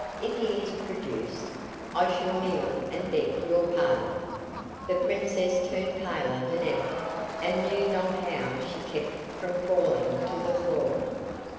If he is produced, I shall kneel and beg your pardon." The Princess turned paler than ever and knew not how she kept from falling to the floor.